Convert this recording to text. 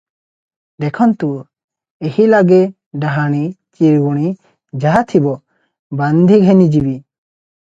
ଦେଖନ୍ତୁ, ଏହିଲାଗେ ଡାହାଣୀ ଚିରିଗୁଣୀ ଯାହାଥିବ ବାନ୍ଧି ଘେନିଯିବି ।"